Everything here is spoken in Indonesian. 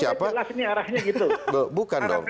itu kan kelihatan